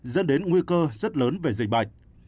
dẫn đến nguy cơ rất lớn về dịch bệnh